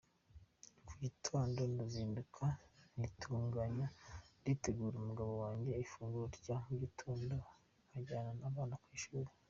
Mu gitondo ndazinduka nkitunganya nkategurira umugabo wanjye ifunguro rya mugitondo nkajyana abana ku ishuri”.